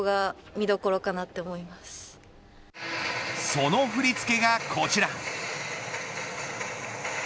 その振り付けがこちら。